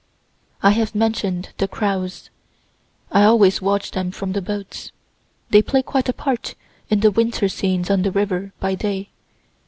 I have mention'd the crows. I always watch them from the boats. They play quite a part in the winter scenes on the river, by day.